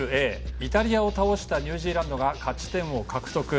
イタリアを倒したニュージーランドが勝ち点を獲得。